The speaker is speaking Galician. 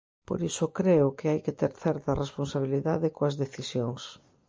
Por iso creo que hai que ter certa responsabilidade coas decisións.